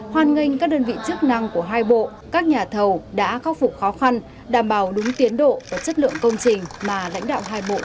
hoàn nghênh các đơn vị chức năng của hai bộ các nhà thầu đã khắc phục khó khăn đảm bảo đúng tiến độ và chất lượng công trình mà lãnh đạo hai bộ đề ra